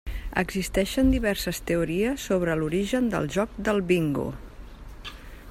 Existeixen diverses teories sobre l'origen del joc del bingo.